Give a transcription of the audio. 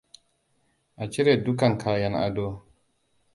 A cire dukan kayan ado.